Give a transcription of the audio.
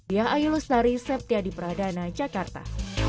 ia ayolus dari septia di pradana jakarta